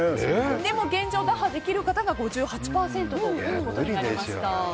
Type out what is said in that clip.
でも現状打破できる方が５８％ということになりました。